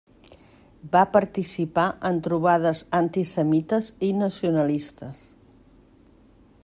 Va participar en trobades antisemites i nacionalistes.